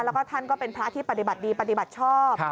แล้วก็ท่านก็เป็นพระที่ปฏิบัติดีปฏิบัติชอบ